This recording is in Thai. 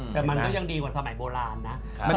แต่มันก็ยังดีกว่าสมัยโบราณนะ